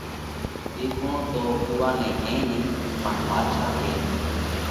ۮيکوڻو تو اُوئا نئہ ڪئين نئين پڻ ڀاڌشا ٿينَ